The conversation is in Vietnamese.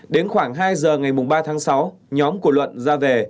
đến khoảng hai giờ ngày ba tháng sáu nhóm của luận ra về